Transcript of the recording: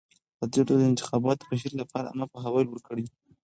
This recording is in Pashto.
ازادي راډیو د د انتخاباتو بهیر لپاره عامه پوهاوي لوړ کړی.